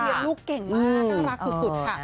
ลูกเก่งมากน่ารักสุดค่ะ